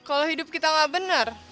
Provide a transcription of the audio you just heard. kalo hidup kita gak bener